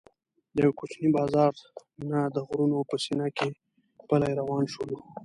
د یوه کوچني بازار نه د غرونو په سینه کې پلی روان شولو.